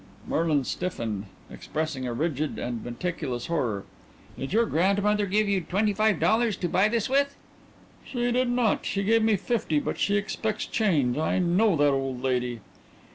Merlin stiffened, expressing a rigid and meticulous horror. "Did your grandmother give you twenty five dollars to buy this with?" "She did not. She gave me fifty, but she expects change. I know that old lady."